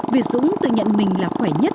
việc dũng tự nhận mình là khỏe nhất